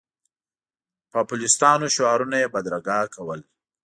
پوپلیستانو شعارونه یې بدرګه کول.